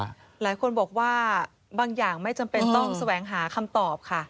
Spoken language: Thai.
หลายคนบอกว่าบางอย่างไม่จำเป็นต้องแสวงหาคำตอบค่ะ